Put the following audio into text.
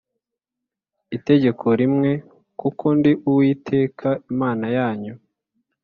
Itegeko rimwe kuko ndi uwiteka imana yanyu